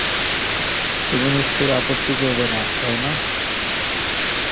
তুমি নিশ্চয়ই আপত্তি করবে না, তাই না?